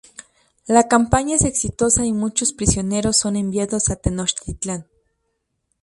La campaña es exitosa y muchos prisioneros son enviados a Tenochtitlan.